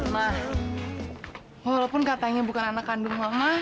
mah walaupun katanya bukan anak kandung mama